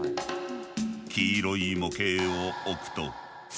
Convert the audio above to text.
黄色い模型を置くと。